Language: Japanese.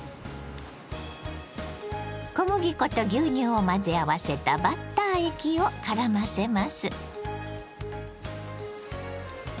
小麦粉と牛乳を混ぜ合わせたバッター液をからませます。